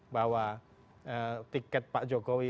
bahwa tiket pak jokowi